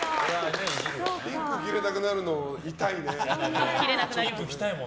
ピンク着れなくなるの痛いね。